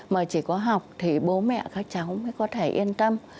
mà chỉ có học thì bố mẹ các cháu mới có thể yên tâm